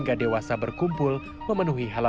jadi bertemu lagi ya